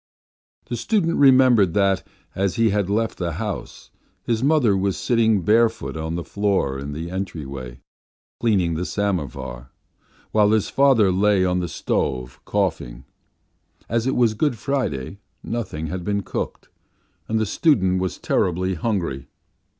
The student remembered that, as he went out from the house, his mother was sitting barefoot on the floor in the entry, cleaning the samovar, while his father lay on the stove coughing; as it was Good Friday nothing had been cooked, and the student was terribly hungry.